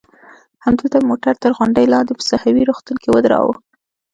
همدلته مې موټر تر غونډۍ لاندې په ساحوي روغتون کې ودراوه.